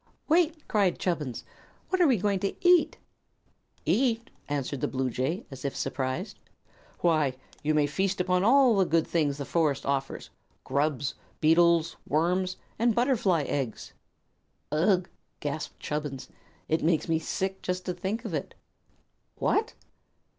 "Wait!" cried Chubbins. "What are we going to eat?" "Eat!" answered the bluejay, as if surprised. "Why, you may feast upon all the good things the forest offers grubs, beetles, worms, and butterfly eggs." "Ugh!" gasped Chubbins. "It makes me sick to just think of it." "What!"